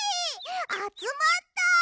あつまった！